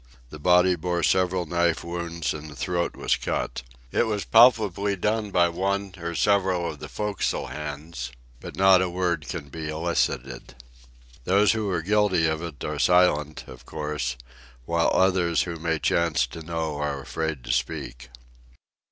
The body bore several knife wounds and the throat was cut. It was palpably done by some one or several of the forecastle hands; but not a word can be elicited. Those who are guilty of it are silent, of course; while others who may chance to know are afraid to speak.